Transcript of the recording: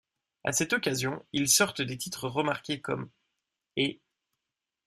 À cette occasion, ils sortent des titres remarqués comme ' et '.